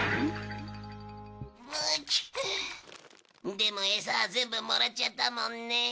でもえさは全部もらっちゃったもんね。